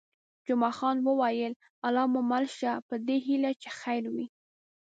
جمعه خان وویل: الله مو مل شه، په دې هیله چې خیر وي.